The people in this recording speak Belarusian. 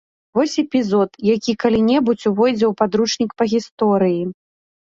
Вось эпізод, які калі-небудзь увойдзе ў падручнікі па гісторыі.